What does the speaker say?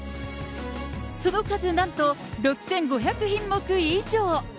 その数、なんと６５００品目以上。